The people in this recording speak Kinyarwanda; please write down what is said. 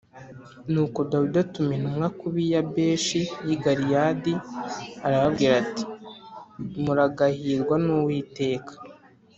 Nuko Dawidi atuma intumwa ku b’i Yabeshi y’i Galeyadi arababwira ati “Muragahirwa n’Uwiteka